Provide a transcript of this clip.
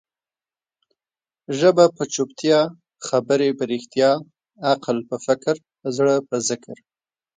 ژبه په چوپتيا، خبري په رښتیا، عقل په فکر، زړه په ذکر.